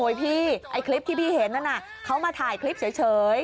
พี่ไอ้คลิปที่พี่เห็นนั่นน่ะเขามาถ่ายคลิปเฉย